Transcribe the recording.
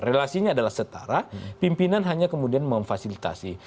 relasinya adalah setara pimpinan hanya kemudian memfasilitasi